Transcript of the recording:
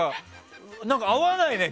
何か合わないね。